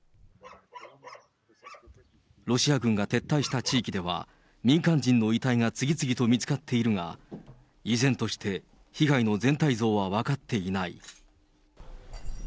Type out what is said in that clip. ロシア軍が撤退した地域では、民間人の遺体が次々と見つかっているが、依然として被害の全体像は分かっていない。